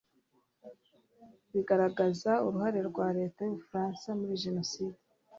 bigaragaza uruhare rwa leta y'ubufaransa muri jenoside